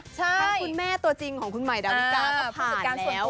คือแม่ตัวจริงของคุณหมายดาวลิคาก็ผ่านแล้ว